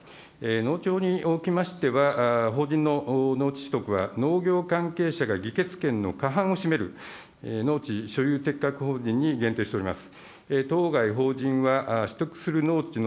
農地法におきましては、法人の農地取得は、農業関係者が議決権の過半を占める農地所有けっかく法人に限定しております。